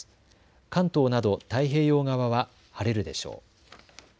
関東など太平洋側は晴れるでしょう。